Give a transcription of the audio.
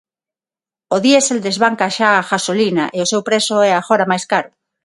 O diésel desbanca xa a gasolina e o seu prezo é agora máis caro.